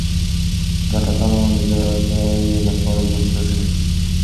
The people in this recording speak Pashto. ګټه کمه وه نو ځکه یې له کاره زړه توری شو.